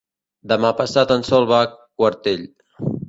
Demà passat en Sol va a Quartell.